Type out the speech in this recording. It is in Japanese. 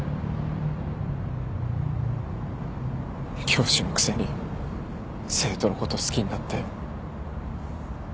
教師のくせに生徒のこと好きになって。